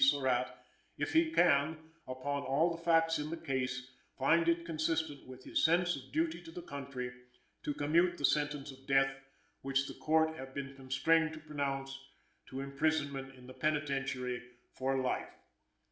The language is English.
Surratt, if he can, upon all the facts in the case, find it consistent with his sense of duty to the country, to commute the sentence of death, which the Court have been constrained to pronounce, to imprisonment in the penitentiary for life.